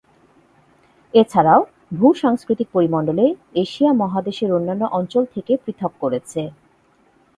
এছাড়াও, ভূ-সাংস্কৃতিক পরিমণ্ডলে এশিয়া মহাদেশের অন্যান্য অঞ্চল থেকে পৃথক করেছে।